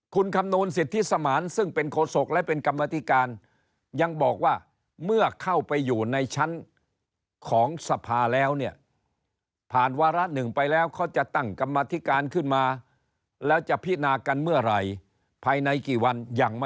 จะถูกดองถูกแช่ไปอีกนานแค่ไหน